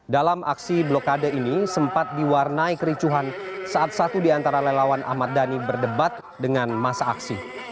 dalam aksi blokade ini sempat diwarnai kericuhan saat satu di antara lelawan ahmad dhani berdebat dengan masa aksi